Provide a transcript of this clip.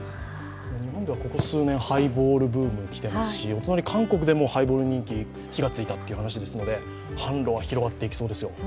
日本ではここ数年ハイボールブームが来てますしお隣の韓国でもハイボール人気に火がついたという話ですので、販路は広がっていきそうですよ。